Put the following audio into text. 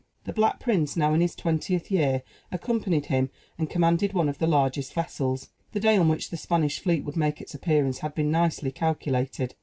The Black Prince, now in his twentieth year, accompanied him, and commanded one of the largest vessels. The day on which the Spanish fleet would make its appearance had been nicely calculated.